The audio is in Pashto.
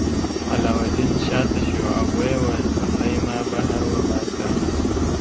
علاوالدین شاته شو او ویې ویل لومړی ما بهر وباسه.